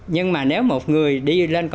nhưng mà nếu một người đi lên